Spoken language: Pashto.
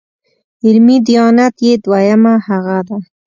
علمي دیانت یې دویمه هغه ده.